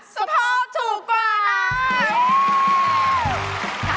สะโพกถูกกว่า